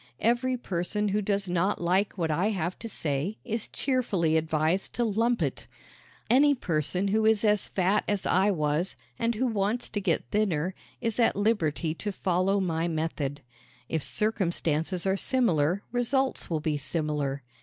Every person who does not like what I have to say is cheerfully advised to lump it. Any person who is as fat as I was and who wants to get thinner is at liberty to follow my method. If circumstances are similar results will be similar.